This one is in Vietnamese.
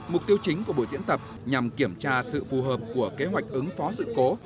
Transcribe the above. mục tiêu chính của buổi diễn tập nhằm kiểm tra sự phù hợp của kế hoạch ứng phó sự cố